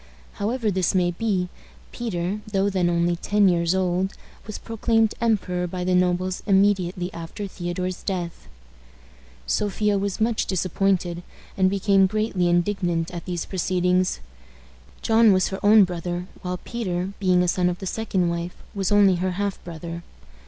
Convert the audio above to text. However this may be, Peter, though then only ten years old, was proclaimed emperor by the nobles immediately after Theodore's death. Sophia was much disappointed, and became greatly indignant at these proceedings. John was her own brother, while Peter, being a son of the second wife, was only her half brother.